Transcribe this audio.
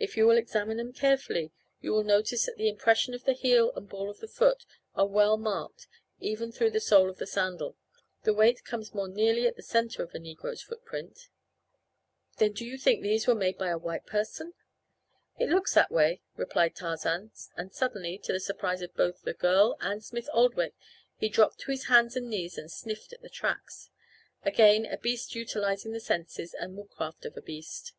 If you will examine them carefully you will notice that the impression of the heel and ball of the foot are well marked even through the sole of the sandal. The weight comes more nearly in the center of a Negro's footprint." "Then you think these were made by a white person?" "It looks that way," replied Tarzan, and suddenly, to the surprise of both the girl and Smith Oldwick, he dropped to his hands and knees and sniffed at the tracks again a beast utilizing the senses and woodcraft of a beast.